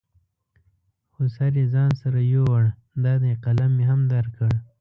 خو سر یې ځان سره یوړ، دا دی قلم مې هم درکړ.